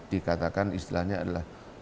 dikatakan istilahnya adalah